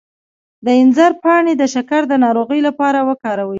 د انځر پاڼې د شکر د ناروغۍ لپاره وکاروئ